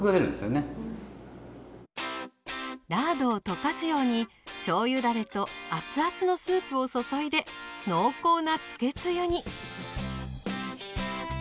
ラードを溶かすようにしょうゆだれと熱々のスープを注いで濃厚なつけつゆに。